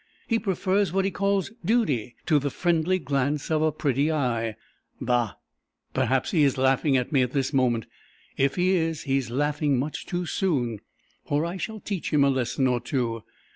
"He prefers what he calls 'duty' to the friendly glance of a pretty eye. Bah! Perhaps he is laughing at me at this moment. If he is, he is laughing much too soon, for I shall teach him a lesson or two.